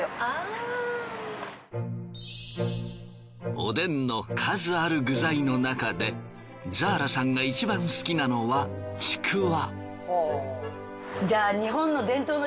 おでんの数ある具材のなかでザーラさんが１番好きなのはちくわ。